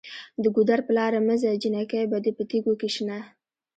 د ګودر په لاره مه ځه جینکۍ به دې په تیږو کې شنه